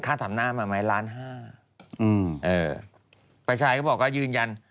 ค่าทำหน้ามาไหมล้านห้าฝ่ายชายก็บอกก็ยืนยัน